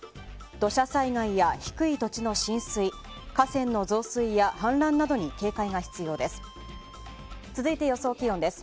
土砂災害や低い土地の浸水河川の増水や氾濫などに警戒が必要です。